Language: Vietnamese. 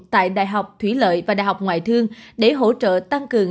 tại đại học thủy lợi và đại học ngoại thương để hỗ trợ tăng cường